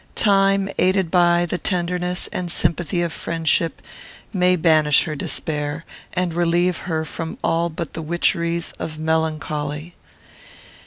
Time, aided by the tenderness and sympathy of friendship, may banish her despair, and relieve her from all but the witcheries of melancholy.